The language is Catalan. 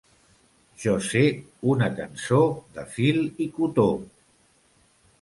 Jo sé una cançó de fil i cotó...